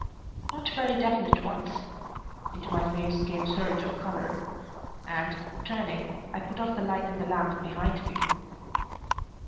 "Not very definite ones." Into my face came surge of color, and, turning, I cut off the light in the lamp behind me.